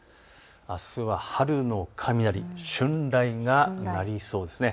あすは春の雷、春雷が鳴りそうです。